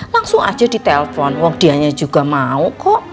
langsung aja di telpon wak dia nya juga mau kok